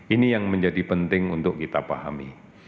ini yang menjadi penting untuk kita pahami